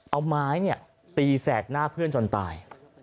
เอาไม้ตีแสกหน้าเพื่อนจนตาย